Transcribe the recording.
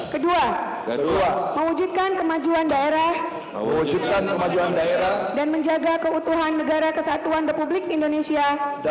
kedua mewujudkan kemajuan daerah dan menjaga keutuhan negara kesatuan republik indonesia